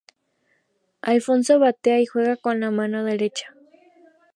Alfonso batea y juega con la mano derecha.